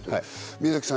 宮崎さん